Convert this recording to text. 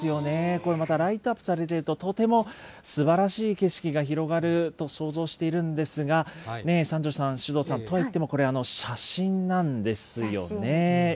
これまたライトアップされてると、とてもすばらしい景色が広がると想像しているんですが、三條さん、首藤さん、といってもこれ、写真なんですよね。